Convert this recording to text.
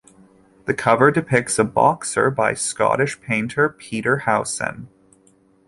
The cover depicts a boxer by Scottish painter Peter Howson.